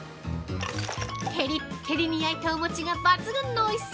テリッテリに焼いたお餅が抜群のおいしさ。